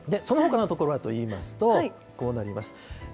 そのほかの所はといいますと、こうなります。